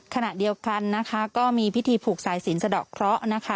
ขณะเดียวกันนะคะก็มีพิธีผูกสายสินสะดอกเคราะห์นะคะ